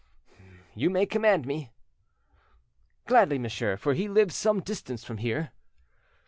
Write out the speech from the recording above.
"You may command me." "Gladly, monsieur; for he lives some distance from here."